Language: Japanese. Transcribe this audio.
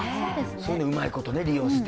そういうのをうまいこと利用して。